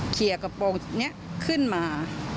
เคลียร์กระโปรงนี้ขึ้นมา